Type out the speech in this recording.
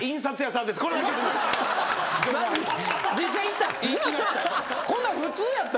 実際行ったん？